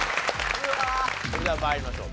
それでは参りましょう。